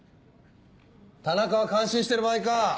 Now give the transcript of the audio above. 田中は感心してる場合か。